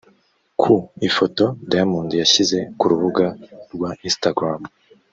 Ku ifoto Diamond yashyize ku rubuga rwa Instagram